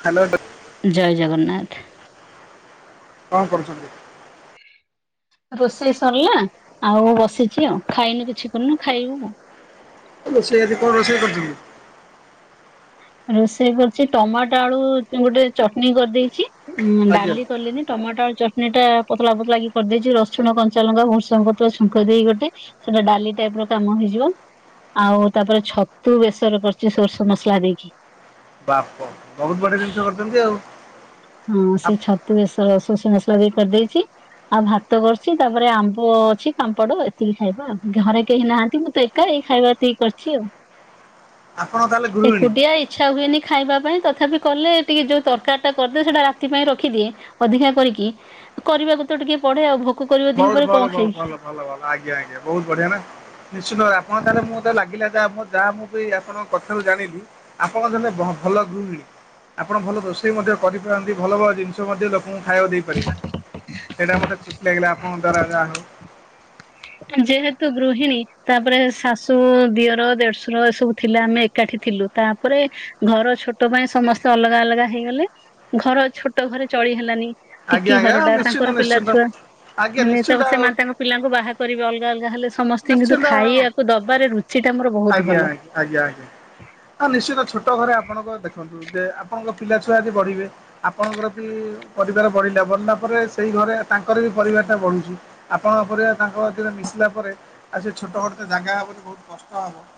ହ୍ୟାଲୋଡ। [unintelligible] ଜୟ ଜଗନ୍ନାଥ। କଣ କରୁଛନ୍ତି? ରୋଷେଇ ସରିଲା ଆଉ ବସିଛି ଆଉ ଖାଇନୁ କିଛି କରିନୁ ଖାଇବୁ। ରୋଷେଇ ଆଜି କଣ ରୋଷେଇ କରିଛନ୍ତିି? ରୋଷେଇ କରିଛି ଟମାଟୋ ଆଳୁ ଗୋଟେ ଚଟ୍ ନି କରିଦେଇଛି ଉଁ ଆଜ୍ଞା। ଡାଲି କଲିନି ଟମାଟୋ ଚଟ୍ ନୀ ଟା ପତଲା ପତଲା କି କରିଦେଇଚି ରସୁଣ କଞ୍ଚାଲଙ୍କା ଭୃସଙ୍ଗ ପତ୍ର ଛୁଙ୍କ ଦେଇ ଗୋଟେ ସେଟା ଡାଲି ଟାଇପ୍ ର କାମ ହେଇଯିବ। ଆଉ ତାପରେ ଛତୁ ବେସର କରିଚି ସୋର୍ ଷ ମସଲା ଦେଇକି। ବାପ ବହୁତ୍ ବଢିଆ ଜିନିଷ କରିଛନ୍ତି ଆଉ। ହଁ ସେଇ ଛତୁ ବେସର ସୋର୍ ଷ ମସଲା ଦେଇ କରିଦେଇଛି ଆଉ ଭାତ କର୍ ଛି ତାପରେ ଆମ୍ବ ଅଛି ପାମ୍ପଡ଼ ଏତିକି ଖାଇବା ଉ ଘରେ କେହି ନାହାନ୍ତି ମୁଁ ତ ଏ ଏଇ ଖାଇବା ଏତିକି କରିଛି ଉ। ଆପଣ ତାହେଲେ ଗୃହିଣୀ? ଏକୁଟିଆ ଇଚ୍ଛା ହୁଏନି ଖାଇବା ପାଇଁ ତଥାପି କଲେ ଟିକେ ଯୋଉ ତର୍ କାରୀ ଟା କରିଦିଏ ସେଟା ରାତି ପାଇଁ ରଖିଦିଏ ଅଧିକା କରିକି କରିବାକୁ ତ ଟିକେ ପଡେ ଆଉ ଭୋକ କ କରିବ ଦି ବହୁତ ପହରେ ଭଲ କଣ ଭଲ ଖାଇବି ଭଲ ଭଲ ଆଜ୍ଞା ଆଜ୍ଞା ବହୁତ୍ ବଢିଆ ନା। ନିଶ୍ଚିତ ଭାବେ ଆପଣ ତାହେଲେ ମୁତେ ଲାଗିଲା ଯା ଯାହା ମୁଁ ବି ଆପଣଙ୍କ କଥାରୁ ଜାଣିଲି ଆପଣ ତାଲେ ଭଲ ଗୃହିଣୀ ଆପଣ ଭଲ ରୋଷେଇ ମଧ୍ୟ କରିପାରନ୍ତି ଭଲ ଭ ଜି ନିଷ ମଧ୍ୟ ଲୋକଙ୍କୁ ଖାଇବାକୁ ଦେଇପାରିବେ ସେଇଟା ମୋତେ ଖୁସି ଲାଗିଲା ଆପଣଙ୍କ ଦ୍ୱାରା ଯାହା ହଉ। ଯେହେତୁ ଗୃହିଣୀ ତାପରେ ଶାଶୁ ଦିଅର ଦେଢ୍ ଶୁର ଏ ସବୁ ଥିଲେ ଆମେ ଏକାଠି ଥିଲୁ ତାପରେ ଘର ଛୋଟ ପାଇଁ ସମସ୍ତେ ଅଲଗା ଅଲଗା ହେଇଗଲେ ଘର ଛୋଟ ଘରେ ଚଳି ହେଲାନି ଆଜ୍ଞା ଟିକି ଆଜ୍ଞା ଘରଟା ନିଶ୍ଚିନ୍ତ ତାଙ୍କର ପିଲା ନିଶ୍ଚିନ୍ତ। ଛୁଆ ଆଜ୍ଞା ହେଲେ ନିଶ୍ଚିନ୍ତ ତାପରେ ସେ ଆଉ ମା ତାଙ୍କ ପିଲାଙ୍କୁ ବାହା କରିବି ଅଲ୍ ଗା ଅଲ୍ ଗା ହେଲେ ସମସ୍ତି କିନ୍ତୁ ନିଶ୍ଚିନ୍ତ ଖାଇବାକୁ ଦବାରେ ରୁଚି ଟା ମୋର ବହୁତ୍ ଆଜ୍ଞା ଆଜ୍ଞା ଭଲ। ଆଜ୍ଞା ଆଜ୍ଞା ଆ ନିଶ୍ଚିତ ଛୋଟ ଘରେ ଆପଣଙ୍କ ଦେଖନ୍ତୁ ଯେ ଆପଣଙ୍କ ପିଲା ଛୁଆ ଆଜି ବଢିବେ ଆପଣଙ୍କର ବି ପରିବାର ବଢିଲା ବଢିଲା ପରେ ସେଇ ଘରେ ତାଙ୍କର ବି ପରିବାର ଟା ବଢୁଛି ଆପଣ ଉପରେ ତାଙ୍କ ସାଥିରେ ମିଶିଲା ପରେ ଆଉ ସେ ଛୋଟ ଘରଟା ଜାଗା ହବନି ବହୁତ୍ କଷ୍ଟ ହବ।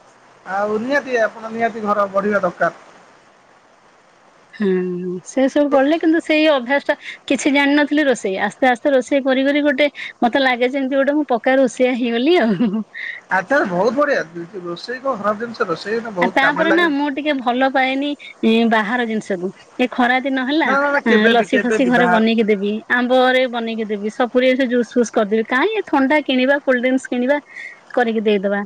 ଆଉ ନିହାତି ଆପଣ ନିହାତି ଘର ବଢିବା ଦକାର। ହୁଁ ହୁଁ ସେ ସବୁ ପଢିଲେ କିନ୍ତୁ ସେଇ ଅଭ୍ୟାସ ଟା କିଛି ଜାଣିନଥିଲି ରୋଷେଇ ଆସ୍ତେ ଆସ୍ତେ ରୋଷେଇ କରି କରି ଗୋଟେ ମତେ ଲାଗେ ଯେମିତି ଗୋଟେ ମୁ ପ ପକା ରୋଷେଇଆ ହେଇଗଲି ଉ। [unintelligible] ବହୁତ ବଢିଆ ରୋଷେଇ କଣ ଖରାପ ଜିନିଷ। ରୋଷେଇ ତ ଆ ତାପରେ ନା ମୁଁ ଟିକେ ଭଲ ପାଏନି ବାହାର ଜିନିଷକୁ। ଏ ଖରା ଦିନ ହେଲା ନା ନା ନା କେବେ ବି ଲସି କେବେ ଫସି ବି ଘରେ ବାହାର ବନେଇକି ଦେବି। ଆମ୍ବରେ ବନେଇକି ଦେବି, ସପୁରୀରେ ଜୁସ୍ ଫୁସ୍ କରିଦେବି କାହିଁ ଏଇ ଥଣ୍ଡା କିଣିବା କୋଲ୍ଡ ଡ୍ରିଙ୍କସ୍ କିଣିବା। କରିକି ଦେଇଦବା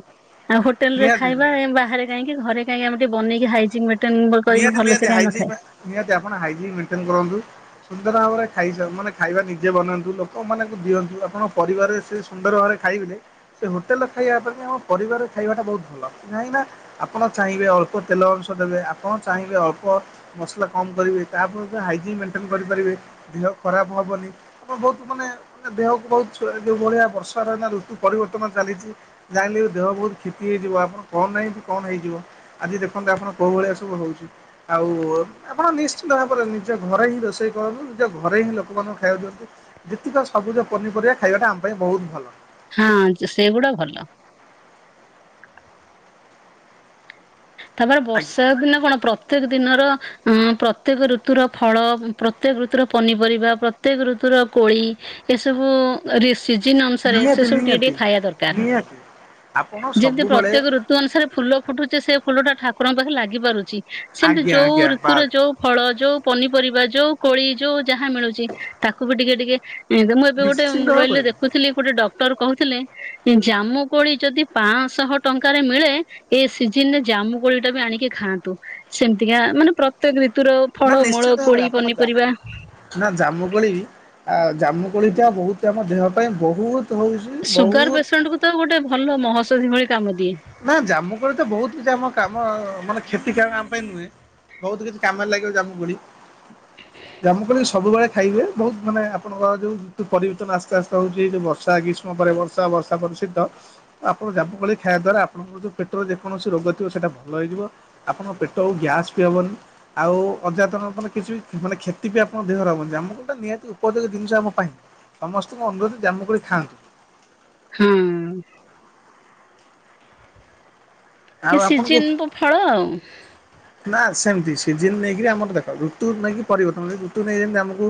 ଆଉ ହୋଟେଲ ରେ ନିହାତି ଖାଇବା ନିହାତି ବାହାରେ କାହିଁକି ଘରେ କାହିଁକି ଆମେ ଟିକେ ବନେଇକି ହାଇଜିନିକ୍ କରିକି ନିହାତି ନିହାତି ଭଲସେ କାଇଁ ନ ହାଇଜିନ୍ ଖାଇବା। ନିହାତି ଆପଣ ହାଇଜିନ୍ ମେଣ୍ଟେନ୍ କରନ୍ତୁ। ସୁନ୍ଦର ଭାବରେ ଖାଇଯା, ମାନେ ଖାଇବା ନିଜେ ବନାନ୍ତୁ ଲୋକମାନଙ୍କୁ ଦିଅନ୍ତୁ ଆପଣଙ୍କ ପରିବାରରେ ସେ ସୁନ୍ଦର ଭାବ ଖାଇଦେଲେ ସେ ହୋଟେଲରେ ଖାଇବା ଅପେକ୍ଷା ଆମ ପରିବାରରେ ଖାଇବାଟା ବହୁତ ଭଲ କାହିଁକିନା ଆପଣ ଚାହିଁବେ ଅଳ୍ପ ତେଲ ଅଂଶ ଦେବେ ଆପଣ ଚାହିଁବେ ଅଳ୍ପ ମସଲା କମ୍ କରିବେ ତାଫଳରେ ହାଇଜିନ୍ ମେଣ୍ଟେନ କରିପାରିବେ, ଦେହ ଖରାପ ହବନି। ଆପଣ ବହୁତ ମାନେ ମାନେ ଦେହକୁ ବହୁତ ଯୋଉ ଭଳିଆ ବର୍ଷା ର ଏଇନା ଋତୁ ପରିବର୍ତ୍ତନ ଚାଲିଛି। ଜାହାହେଲେବି ଦେହ ବହୁତ କ୍ଷତି ହେଇଯିବ ଆପଣ କଣ ନାହିଁ କଣ ହେଇଯିବ ଆଜି ଦେଖନ୍ତୁ ଆପଣ କୋଉ ଭଳିଆ ସବୁ ହଉଛି, ଆଉ ଆପଣ ନିଶ୍ଚିିତ ଭାବରେ ନିଜ ଘରେ ହିଁ ରୋଷେଇ କରନ୍ତୁ। ନିଜ ଘରେ ହିଁ ଲୋକମାନଙ୍କୁ ଖାଇବାକୁ ଦିଅନ୍ତୁ। ଯେତିକ ସବୁଜ ପନିପରିବା ଖାଇବାଟା ଆମ ପାଇଁ ବହୁତ ଭଲ। ହଁ ସେଇଗୁଡା ଭଲ। ତାପରେ ଆଜ୍ଞା ବର୍ଷା ଦିନ କଣ ପ୍ରତ୍ୟେକ ଦିନର ଆଁ ପ୍ରତ୍ୟେକ ଋତୁର ଫଳ, ପ୍ରତ୍ୟେକ ଋତୁର ପନିପରିବା, ପ୍ରତ୍ୟେକ ଋତୁର କୋଳି। ଏସବୁ ରିସ୍ ସିଜିନ ଅନୁସାରେ ସେ ନିହାତି ସବୁ ଟିକେ ନିହାତି ଟିକେ ଖାଇଆ ଦରକାର। ନିହାତି। ଆପଣ ଯେମିତି ସବୁବେଳେ ପ୍ରତ୍ୟେକ ଋତୁ ଋତୁ ଅନୁସାରେ ଫୁଲ ଫୁଟୁଚି ସେ ଫୁଲ ଟା ଠାକୁରଙ୍କ ପାଖରେ ଲାଗି ପାରୁଚି, ସେମିତି ଆଜ୍ଞା ଯୋଉ ଆଜ୍ଞା ଋତୁରେ ବାସ୍ ଯୋଉ ଫଳ, ଯୋଉ ପନିପରିବା, ଯୋଉ କୋଳି, ଯୋଉ ଯାହା ମିଳୁଚି ତାକୁ ବି ଟିକେ ଟିକେ ଏଇତ, ମୁଁ ଏବେ ଗୋଟେ ନିଶ୍ଚିନ୍ତ ମୋବାଇଲରେ ଭାବରେ ଦେଖୁଥିଲି ଗୋଟେ ଡ଼ ଡକ୍ଟର କହୁଥିଲେ ଜାମୁ କୋଳି ଯଦି ପାଞ୍ଚଶହ ଟଙ୍କାରେ ମିଳେ ଏ ସିଜିନରେ ଜାମୁ କୋଳି ଟା ବି ଆଣିକି ଖାଆନ୍ତୁ। ସେମତିକା ମାନେ ପ୍ରତ୍ୟେକ ରିତୁର ନା ଫଳ, ମୂଳ, ନିଶ୍ଚିନ୍ତ ଭାବରେ କୋଳି, ଆପଣ ଜାମୁ ପନିପରିବା। ଜାମୁକୋଳି ଆ ଜାମୁକୋଳି ଟା ବହୁତ ଆମ ଦେହ ପାଇଁ ବହୁତ ହଉଛି ସୁଗାର ବହୁତ ପେସେଣ୍ଟ କୁ ତ ଗୋଟେ ଭଲ ମହୋଷଧି ଭଳି କାମ ଦିଏ। ନା ଜାମୁ କୋଳି ତ ବହୁତ କିଛି କାମ ମାନେ କ୍ଷତିକାର କାମ ପାଇଁ ନୁହେଁ। ବହୁତ କିଛି କାମରେ ଲାଗିବ ଜାମୁକୋଳି। ଜାମୁକୋଳି ସବୁବେଳେ ଖାଇହୁଏ, ବହୁତ ମାନେ ଆପଣଙ୍କ ଯୋଉ ଋତୁ ପରିବେର୍ତ୍ତନ ଆସ୍ତେ ଆସ୍ତେ ହଉଚି ଯୋଉ ବର୍ଷା ହେଇକି ଗ୍ରୀଷ୍ମ ପରେ ବର୍ଷା, ବର୍ଷା ପରେ ଶୀତ ଆପଣ ଜାମୁକୋଳି ଖାଇଆ ଦ୍ୱାରା ଆପଣଙ୍କର ଯୋଉ ପେଟର ଯେକୌଣସି ରୋଗ ଥିବ ସେଇଟା ଭଲ ହେଇଯିବ ଆପଣଙ୍କ ପେଟ ଆଉ ଗ୍ୟାସ୍ ବି ହେବନି। ଆଉ ଅଯାତନ ମାନେ କିଛିବି ମାନେ କ୍ଷତି ବି ଆପଣ ଦେହର ହବନି ଜାମୁକୋଳି ଟା ନିହାତି ଉପଯୋଗୀ ଜିନିଷ ଆମ ପାଇଁ। ସମସ୍ତିଙ୍କୁ ଅନୁରୋଧ ଜାମୁକୋଳି ଖାଆନ୍ତୁ। ହଁ, ଆଉ ଏ ଆପଣଙ୍କୁ ସିଜିନ ଫଳ ଆଉ। ନା ସେମିତି ସିଜିିନ ନେଇକି ଆମର ଦେଖ ଋତୁ ନେଇକି ପରିବର୍ତ୍ତନ। ଋତୁ ନେଇ ଯେମିତି ଆମକୁ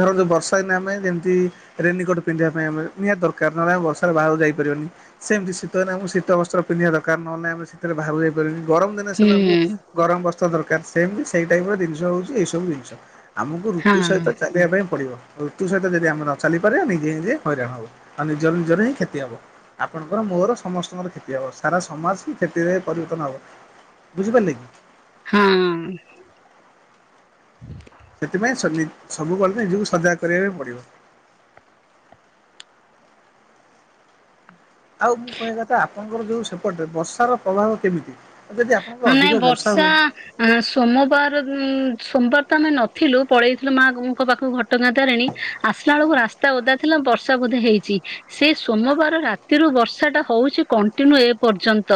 ଧରନ୍ତୁ ବର୍ଷା ଦିନେ ଆମେ ଯେମିତି ରେନିକୋର୍ଟ ପିନ୍ଧିବା ପାଇଁ ଆମେ ନିହାତି ଦରକାର। ନହେଲେ ଆମେ ବର୍ଷାରେ ବାହାରକୁ ଯାଇପାରିବାନି। ସେମିତି ଶୀତ ଦିନେ ଆମକୁ ଶୀତ ବସ୍ତ୍ର ପିନ୍ଧିବା ଦରକାର ନହେଲେନାଇଁ ଆମେ ଶୀତରେ ବାହାରକୁ ଯାଇପାରିବାନି। ଗରମ ଦିନେ ହୁଁ ସେମାନଙ୍କୁ ଗରମ ବସ୍ତ୍ର ଦରକାର। ସେମିତି ସେଇ ଟାଇପ୍ ର ଜିନିଷ ହେଉଛି ଏଇସବୁ ଜିନିଷ। ଆମକୁ ଋତୁ ହଁ। ସହିତ ଚାଲିବା ପାଇଁ ପଡ଼ିବ। ଋତୁ ସହିତ ଯଦି ଆମର ଚାଲିପାରିବାନି ନିଜେ ନିଜେ ହଇରାଣ ହବ। ଆଉ ନିଜର ନିଜର ହିଁ କ୍ଷତି ହବ। ଆପଣଙ୍କର ମୋର ସମସ୍ତଙ୍କର କ୍ଷତି ହବ ସାରା ସମାଜ ହିଁ କ୍ଷତିରେ ପରିବର୍ତ୍ତନ ହବ। ବୁଝିପାରିଲେ କି? ହଁ। ସେଥିପାଇଁ ସବି ସବୁ ବେଳେ ନିଜକୁ ସଜାଗ କରିବାକୁ ପଡ଼ିବ। ଆଉ ମୁଁ କହିବା କଥା ଆପଣଙ୍କର ଯୋଉ ସେପଟରେ ବର୍ଷାର ପ୍ରଭାବ କେମିତି? ଯଦି ଆପଣଙ୍କ ନାଇଁ ବର୍ଷା ମୁଁ ସୋମବାର ଉଁ, ସୋମ୍ବାର ତ ଆମେ ନଥିଲୁ ପଳେଇଥିଲୁ ମାଙ୍କ ପାଖକୁ ଘଟ ଟଗାଁ ତାରିଣୀ ଆସିଲା ବେଳକୁ ରାସ୍ତା ଓଦା ଥିଲା ବର୍ଷା ବୋଧେ ହେଇଛି। ସେ ସୋମବାର ରାତିରୁ ବର୍ଷା ଟା ହଉଛି କଣ୍ଟିନ୍ୟୁ ଏ ପର୍ଯ୍ୟନ୍ତ।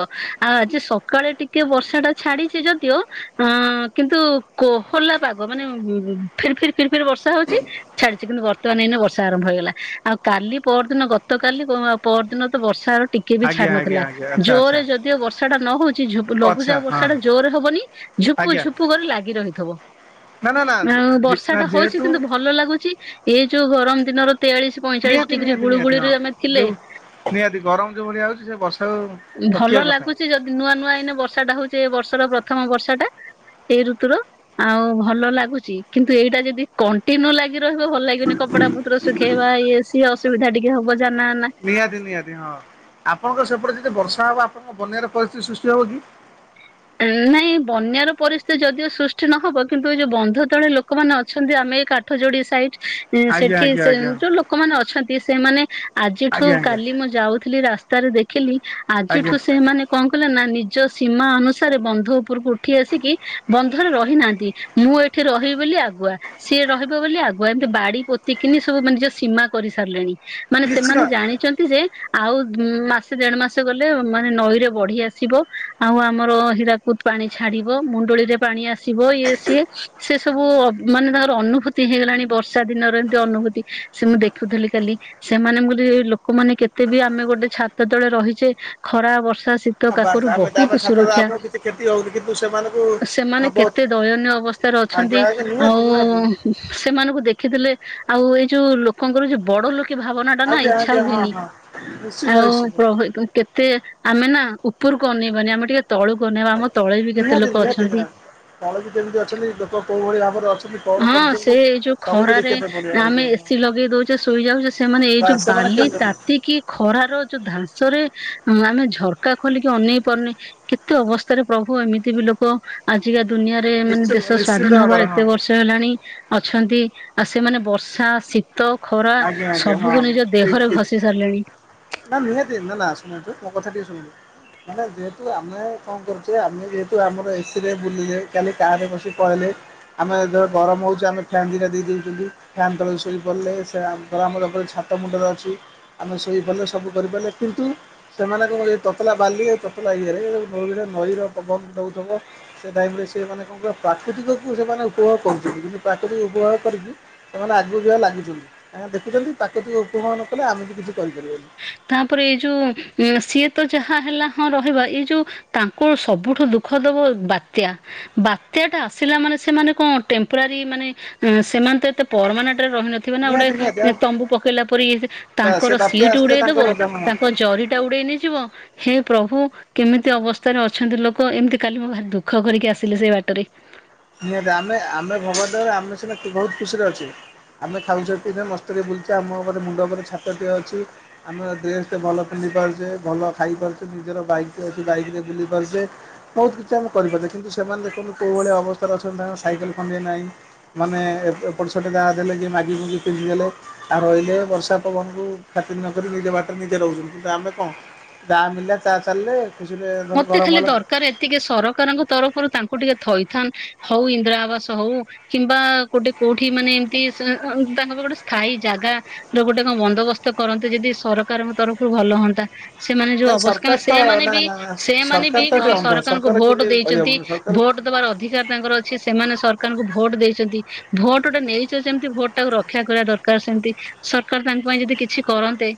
ଆଉ ଆଜି ସକାଳେ ଟିକ କେ ବର୍ଷା ଟା ଛାଡିଛି ଯଦିଓ ଅଁ, କିନ୍ତୁ କୋହଲା ପାଗ ମାନେ ଗୁଁ, ଗୁଁ ଫିର୍ ଫିର୍ ଫିର୍ ବର୍ଷା ହଉଛି ଛାଡିଛି କିନ୍ତୁ ବର ତ ଏଇନେ ନେ ବର୍ଷା ଆରମ୍ଭ ହେଇଗଲା। ଆଉ କାଲି ପରଦିନ ଗତକାଲି ପଅ-ପରଦିନ ତ ବର୍ଷାର ଟିକେ ବି ଆଜ୍ଞା ଛାଡୁ ଆଜ୍ଞା ନଥିଲା। ଆଜ୍ଞା ଆଚ୍ଛା ଆଚ୍ଛା ଜୋରରେ ଯିଦିଓ ବର୍ଷା ଟା ନ ହଉଛି ଝୁପୁ ଆଚ୍ଛା ଲଘୁଚାପ ବର୍ ହଁ ଷା ଟା ଜୋରରେ ହବନି ଝୁପୁ ଆଜ୍ଞା। ଝୁପୁ କରି ଲାଗି ରହିଥିବ। ନା ନା ନା ଆଉ ଯେ ବର୍ଷା ନା ଟା ହଉଛି ଯେହେତୁ କିନ୍ତୁ ଭଲ ଲାଗୁଛି ଏଇ ଯୋଉ ଗରମ ଦିନର ତେୟାଳିଶ ପଇଁଚାଳିଶ ନିହାତି ଡିଗ୍ରୀ ନିହାତି ନିହାତି ଗୁଳୁଗୁଳି ହଁ ରେ ଆମେ ଥିଲେ। ଯୋଉ ନିହାତି ଗରମ ଯୋଉ ଭଳିଆ ହଉଛି ସେ ବର୍ଷା ଉ ଭଲ ଲାଗୁଚି ଯଦି ନୂଆ ନୂଆ ଏଇନେ ବର୍ଷା ଟା ହଉଛି ଏ ବର୍ଷର ପ୍ରଥମ ବର୍ଷା ଟା। ସେଇ ଋତୁର ଆଉ ଭଲ ଲାଗୁଛି କିନ୍ତୁ ଏଇଟା ଯଦି କଣ୍ଟିନ୍ୟୁ ଲାଗି ରହିବ ଭଲ ଲାଗିବନି। କପଡା ପତର ଶୁଖେଇବା ଇଏ ସେ ଅସୁବିଧା ଟିକେ ହବ ଜାନା ଆନା। ନିହାତି ନିହାତି ହଁ ଆପଣଙ୍କ ସେପଟେ ଯଦି ବର୍ଷା ହବ ଆପଣଙ୍କ ବନ୍ୟାର ପରିସ୍ଥିତି ସୃଷ୍ଟି ହବ କି? ନାଇଁ ବନ୍ୟାର ପରିସ୍ଥିତି ଯଦିଓ ସୃଷ୍ଟି ନହବ କିନ୍ତୁ ଏ ଯୋଉ ବନ୍ଧ ତଳେ ଲୋକମାନେ ଅଛନ୍ତି ଆମେ ଏ କା ଠ ଯୋଡି ସାଇଟ୍ ଏଁ, ଆଜ୍ଞା ସେଠି ଆଜ୍ଞା ସେ ଆଜ୍ଞା ଯୋଉ ଆଜ୍ଞା ଲୋକମାନେ ଅଛନ୍ତି ସେମାନେ ଆଜିଠୁ ଆଜ୍ଞା କାଲି ମୁଁ ଯାଉ ଥିଲି ରାସ୍ତାରେ ଦେଖିଲି ଆଜ୍ଞା ଆଜିଠୁ ସେମାନେ କଣ କଲେ ନା ନିଜ ସୀମା ଅନୁସା ସାରେ ବନ୍ଧ ଉପରକୁ ଉଠି ଆସିକି ବନ୍ଧରେ ରହିନାହାନ୍ତି ମୁଁ ଏଠି ରହିବି ବୋଲି ଆଗୁଆ ସିଏ ରହିବ ବୋଲି ଆଗୁଆ ଏମିତି ବାଡି ପୋତିକିନି ସବୁ ମାନେ ନିଜ ସୀମା କରି ସାରିଲେଣି। ମାନେ ନିଶ୍ଚିତ ସେମାନେ ଜାଣିଚନ୍ତି ଯେ ଆଉ ଉଁ, ମାସେ ଦେଢ ମାସ ଗଲେ ମାନେ ନଈରେ ବଢି ଆସିବ ଆଉ ଆ ମର ହୀରାକୁଦ ପାଣି ଛାଡିବ। ମୁଣ୍ଡଳି ରେ ପାଣି ଆସିବ ଇଏ ସିଏ ସେ ସବୁ ଅ, ମାନେ ତାଙ୍କର ଅନୁଭୂତି ହେଇଗଲାଣି ବର୍ଷା ଦିନର ଏମିତି ଅନୁଭୂତି। ସେ ମୁଁ ଦେଖୁଥିଲି କାଲି। ସେମାନେ ବୋଲି ଲୋକମାନେ କେତେ ବି ଆମେ ଗୋଟେ ଛାତ ତଳେ ରହିଛେ ଖରା ବର୍ଷା ଶୀ ତ ବାସ୍ କାକରରୁ ଆମେ ବହୁତ ଆମେ ସୁର ଛାତ୍ର କ୍ଷା ଆମର କିଛି କ୍ଷତି ହଉନି କିନ୍ତୁ ସେମାନଙ୍କୁ ସେମାନେ ବହୁତ କେତେ ଦୟନୀୟ ଅବସ୍ଥାରେ ଅଛନ୍ତି। ଆଜ୍ଞା ଆଜ୍ଞା ଆଉ ନିହାତି ନିହାତି ସେମାନଙ୍କୁ ଦେଖିଥିଲେ ଆଉ ଏଇ ଯୋଉ ଲୋକଙ୍କର ଯୋଉ ବଡ ଲୋ କେ ଭାବନା ଟା ନା ଆଜ୍ଞା ଇଚ୍ଛା ଆଜ୍ଞା ହଁ ହୁଏନି ହଁ ନିଶ୍ଚିତ ଆଉ ନିଶ୍ଚିତ ପ୍ର- ହି-କେତେ ତେ ଆମେ ନା ଉପରକୁ ଅନେଇବାନି ଆମେ ଟିକେ ତଳୁକୁ ଅନେଇବା ଆମ ତଳେ ବି କେତେ ଲୋକ ଅଛନ୍ତି। ତଳେ ବି କେମିତି ଅଛନ୍ତି ଲୋକ କୋଉ ଭଳି ଭାବରେ ଅଛନ୍ତି। କଣ ହଁ ସେ କରୁଛନ୍ତି ଏଇ ଯୋଉ ସବୁ ବି ଖରାରେ ଦେଖିବା ପାଇଁ ପଡିବ ଆମେ ଆଜ୍ଞା ହଁ ଏସିି ଲଗେଇ ଦଉଛେ ଶୋଇଯାଉଚେ। ସେମାନେ ଏଇ ଯୋଉ ବାସ୍ ସେମାନେ ବାଲି କେମିତି ହଁ ତାତିକି ଖରାର ଯୋଉ ଧାଂସ ରେ ଅଁ, ଆମେ ଝରକା ଖୋଲିକି ଅନେଇ ପାରୁନି କେତେ ଅବସ୍ଥାରେ ପ୍ରଭୁ ଏମିତି ବି ଲୋକ ଆଜିକା ଦୁନିଆରେ ଏ ମାନେ ନିଶ୍ଚିନ୍ତ ଦେଶ ନିଶ୍ଚିନ୍ତ ସ୍ଵାଧୀନ ହବା ଭାବରେ ଏତେ ହଁ ବର୍ଷ ଷ ହେଲାଣି ଅଛନ୍ତି। ଆଉ ସେମାନେ ବର୍ଷା ଶୀ ତ ଖରା, ଆଜ୍ଞା ଆଜ୍ଞା ହଁ ସବୁକୁ ନିଜ ଠିକ୍ ଦେହରେ ଠିକ୍ ଘଷି ସାରିଲେଣି। ନା ନିହାତି, ନା ନା ଶୁଣନ୍ତୁ, ମୋ କଥା ଟିକେ ଶୁଣନ୍ତୁ ମାନେ ଯେହେତୁ ଆମେ କଣ କରୁଚେ, ଆମେ ଯେହେତୁ ଆମର ଏସି ରେ ବୁଲିଲେ, କାଲି କାର୍ ରେ ବସି ପଳେଇଲେ। ଆମେ ଯେତେବେଳେ ଗରମ ହଉଚି, ଆମେ ଫ୍ୟାନ୍ ଦିନା ଦେଇଦଉଚନ୍ତି, ଫ୍ୟାନ୍ ତଳେ ଶୋଇ ପଡ଼ିଲେ, ସ ସେ [unintelligible] ଛାତ ମୁଣ୍ଡରେ ଅଛି, ଆମେ ଶୋଇ ପଡ଼ିଲେ, ସବୁ କରିପାରିଲେ କିନ୍ତୁ ସେମାନେ କଣ କରିବେ, ତତଲା ବାଲି, ଆଉ ତତଲା ଇଏରେ, ନଈରେ ନଈ ର ପବନ ଦଉଥିବ ସେ ଟାଇମ୍ ରେ ସେମାନେ କଣ କହ, ପ୍ରାକୃତିକ କୁ ସେମାନେ ଉପଭୋଗ କରୁଚନ୍ତି କିନ୍ତୁ ପ୍ରାକୃତିକୁ ଉପଭୋଗ କରିକି ସେମାନେ ଆଗକୁ ଯିବା ଲାଗୁଚନ୍ତି, କାଁଇନା ଦେଖୁଚନ୍ତି ପ୍ରାକୁତିକ କୁ ଉପଭୋଗ ନ କଲେ ଆମେ ବି କିଛି କରିପାରିବାନି। ତାପରେ ଏଇ ଯୋଉ, ସିଏ ତ ଯାହା ହେଲା ହଁ ରହିବା, ଏଇ ଯୋଉ ତାଙ୍କୁ ସବୁଠୁ ଦୁଃଖ ଦବ ବାତ୍ୟା। ବାତ୍ୟା ଟା ଆସିଲା ମାନେ ସେମାନେ କଣ, ଟେମ୍ପୋରାରୀ ମାନେ ସେମାନେ ତ ଏତେ ପରମାନେଟ୍ ରେ ରହିନଥି ଥିବା ନା ଗୋଟେ ନିହାତି ନିହାତି ଆଉ ତମ୍ବୁ ପକେଇଲା ପରି, ବା ସେ ତାଙ୍କର ବାତ୍ୟା ସିଟ୍ ଆସିଲେ ତାଙ୍କ ଉଡେଇଦବ, ବୋଝ ମୁହଁ। ତାଙ୍କ ଜରିଟା ଉଡେଇ ନେଇଯିବ, ହେ ପ୍ରଭୁ କେମିତି ଅବସ୍ଥାରେ ଅଛନ୍ତି ଲୋକ, ଏମିତି କାଲି ମୁଁ ଭାରି ଦୁଃଖ କରିକି ଆସିଲି ସେଇ ବାଟରେ ନିହାତି ଆମେ, ଆମେ ଭଗବାନ ଦୟାରୁ, ଆମେ ସିନା ବହୁତ୍ ଖୁସିରେ ଅଛେ। ଆମେ ଖାଉଚେ, ପିଉଚେ, ମସ୍ତିରେ ବୁଲୁଚେ, ଆମ ଉପରେ ମୁଣ୍ଡ ଉପରେ ଛାତଟିଏ ଅଛି। ଆମେ ଡ୍ରେସ୍ ଟେ ଭଲ ପିନ୍ଧି ପାରୁଚେ, ଭଲ ଖାଇ ପାରୁଚେ, ନିଜର ବାଇକ୍ ଟେ ଅଛି, ବାଇକ୍ ରେ ବୁଲି ପାରୁଚେ। ବହୁତ କିଛି ଆମେ କରିପାରୁଚେ କିନ୍ତୁ ସେମାନେ ଦେଖନ୍ତୁ କୋଉ ଭଳି ଅବସ୍ଥାରେ ଅଛନ୍ତି, ତାଙ୍କର ସାଇକେଲ୍ ଖଣ୍ଡିଏ ନାହିଁ। ମାନେ ଏପଟ ସେପଟ ଯାହା ଦେଲେ, ଯେ ମାଗି ମୁଗି ପିନ୍ଧିଦେଲେ ଆଉ ରହିଲେ, ବର୍ଷା ପବନ କୁ ଖାତିର ନକରି ନିଜ ବାଟରେ ନିଜେ ରହୁଚନ୍ତି କିନ୍ତୁ ଆମେ କଣ ଯା ମିଳିଲା ତା ଚାଲିଲେ, ଖୁସିରେ ଧର ଗରମ ହେଲା ଟିକେ ସରକାରଙ୍କ ତରଫରୁ ତାଙ୍କୁ ଟିକେ ଥଇଥାନ ହଉ, ଇନ୍ଦିରା ଆବାସ ହଉ। କିମ୍ବା ଗୋଟେ କୋଉଠି ମାନେ ଏମତି, ତାଙ୍କ ପାଇଁ ଗୋଟେ ସ୍ଥାୟୀ ଜାଗା ଗୋଟେ କଣ ବନ୍ଦୋବସ୍ତ କରନ୍ତି ଯଦି ସରକାରଙ୍କ ତରଫରୁ, ଭଲ ହୁଅନ୍ତା। ସେମାନେ ଯୋଉ ନାଇଁ ଅବସ୍କାନ, ସରକାର ତ ସେମାନେ ନା ବି ନା ଏମାନେ ବି ସରକାର ତ ଗ ଏଠି ଅନ୍ଧ ସରକାରଙ୍କୁ ସରକାର ଭୋଟ କିଛି ଦେଇଚନ୍ତି, କହିହବନି ସରକାର ଭୋଟ୍ ଦେବାର ଅଧିକାର ତାଙ୍କର ଅଛି, ସେମାନେ ସରକାରଙ୍କୁ ଭୋଟ ଦେଇଚନ୍ତି, ଭୋଟ୍ ଗୋଟେ ନେଇଚ ଯେମିତି ଭୋଟ ଟାକୁ ରକ୍ଷା କରିବା ଦରକାର। ସରକାର ସେମିତି, ସରକାର ତାଙ୍କ ପାଇଁ ଯଦି କିଛି କରନ୍ତେ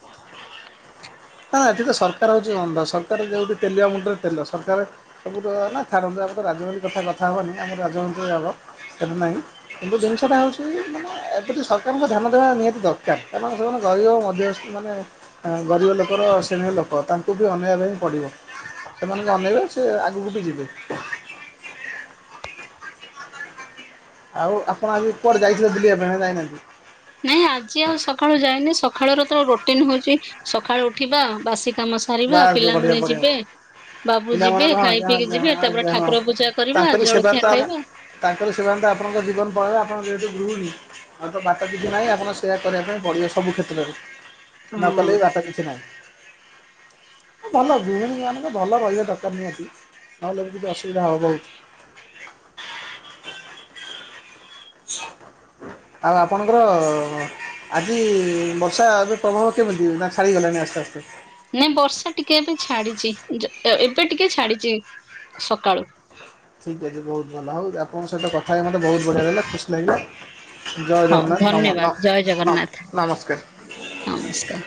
ହଁ ଏଠିତ ସରକାର ହଉଚି ଅନ୍ଧ, ସରକାର ଯୋଉଠି ତେଲଆ ମୁଣ୍ଡରେ ତେଲ, ସରକାର ସବୁ ତ ନା ଛାଡ଼ନ୍ତୁ ଆମର ତ ରାଜନୀତି କଥା କଥା ହବାନି, ଆମର ରାଜମନ୍ତ୍ରୀ ହବ, ସେଠା ନାହିଁ କିନ୍ତୁ ଜିନିଷଟା ହଉଚି, ମାନେ ଏମତି ସରକାରଙ୍କୁ ଧ୍ୟାନ ଦେବା ନିହାତି ଦରକାର, କାରଣ ସେମାନେ ଗରିବ ଆଦି ମାନେ ଗରିବ ଲୋ ତାଙ୍କର ଶ୍ରେଣୀ ଲୋକ, ତାଙ୍କୁ ବି ଅନେଇବା ପାଇଁ ପଡ଼ିବ, ସେମାନଙ୍କୁ ଅନେଇଲେ ସେ ଆଗକୁ ବି ଯିବେ। ଆଉ ଆପଣ ଆଜି କୁଆଡେ ଯାଇଥିଲେ ବୁଲିବା ପାଇଁ, ନା ଯାଇନାହାନ୍ତି? ନାଇଁ ଆଜି ଆଉ ସକାଳୁ ଯାଇନି ସକାଳୁ ର ତ ରୋଟିନ୍ ହଉଚି, ସକାଳୁ ଉଠିବା ବାସି କାମ ସାରିବା, ବାସ୍ ବଢ଼ିଆ ପିଲାମାନେ ବଢ଼ିଆ ଯିବେ ବାବୁ ଯିବେ, ପିଲାମାନଙ୍କ ହଁ ଖାଇ ଆଜ୍ଞା ପିଇକି ଆଜ୍ଞା ଯିବେ, ତାପରେ ଆଜ୍ଞା ହଁ ଠାକୁର ପୂଜା କରିବା, ତାଙ୍କରି ସେବାରେ ଜଳଖିଆ ତ ଆମ ଖାଇବା। ତାଙ୍କର ସେବାରେ ଆପଣଙ୍କ ଜୀବନ ପଳେଇବ, ଆପଣ ଯେହେତୁ ଗୃହିଣୀ ଆଉ ତ ବାଟ କିଛି ନାହିଁ ଆପଣ ସେୟା କରିବା ପାଇଁ ପଡିବ ସବୁ କ୍ଷେତ୍ରରେ, ନ ହଁ। କଲେ ବି ବାଟ କିଛି ନାହିଁ। ଭଲ, ଗୃହିଣୀ ମାନେ ବି ଭଲ ରହିବା ଦରକାର ନିହାତି। ନହେଲେ ବି କି ଅସୁବିଧା ହବ ବହୁତ। [inaudible] ଆଉ ଆପଣଙ୍କର ଅ ଅ ଆଜି ବର୍ଷା ଏବେ ପ୍ରଭାବ କେମିତି ନା ଛାଡ଼ିଗଲାଣି ଆସ୍ତେ ଆସ୍ତେ? ନାଇଁ ବର୍ଷା ଟିକେ ଏବେ ଛାଡିଚି ଯ ଏବେ ଟିକେ ଛାଡିଚି ସକାଳୁ। ଠିକ୍ ଅଛି ବହୁତ ଭଲ ଆଉ ଆପଣଙ୍କ ସହିତ କଥା ହେଇ ମତେ ବହୁତ ବଢିଆ ଦେଲା ଖୁସି ଲାଗିଲା ଜୟ ହଉ ଜଗନ୍ନାଥ ନମ ଧନ୍ୟବାଦ ନ ଜୟ ନ ଜଗନ୍ନାଥ ନମସ୍କାର। ନମସ୍କାର।